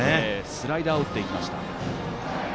スライダーを打っていきました。